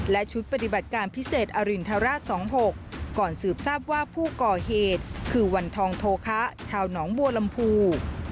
และชุดปฏิบัติการพิเศษอรินทราช๒๖ก่อนสืบทราบว่าผู้ก่อเหตุคือวันทองโทคะชาวหนองบัวลำพู